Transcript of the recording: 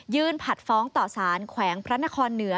ผัดฟ้องต่อสารแขวงพระนครเหนือ